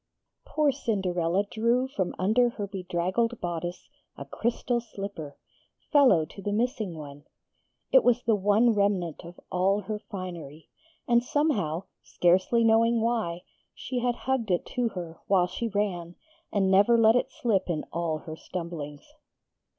Poor Cinderella drew from under her bedraggled bodice a crystal slipper, fellow to the missing one. It was the one remnant of all her finery, and somehow, scarcely knowing why, she had hugged it to her while she ran and never let it slip in all her stumblings.